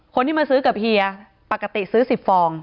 คนที่มาซื้อกับเฮียปกติซื้อ๑๐ฟอง